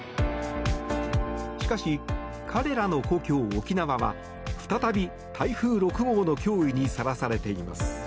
しかし、彼らの故郷・沖縄は再び台風６号の脅威にさらされています。